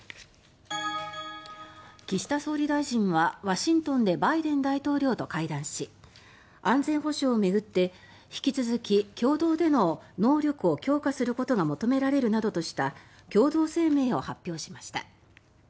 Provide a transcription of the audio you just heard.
岸田総理大臣はワシントンでバイデン大統領と会談し安全保障を巡って引き続き共同での能力を強化することが求められるなどとした共同声明を発表しました。